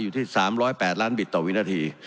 อยู่ที่๓๐๘ล้านบิตต่อวินาที